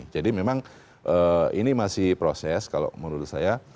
jadi memang ini masih proses kalau menurut saya